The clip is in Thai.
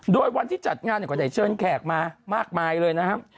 โดยวันที่จัดงานก็ได้เชิญแขกมามากมายเลยนะครับ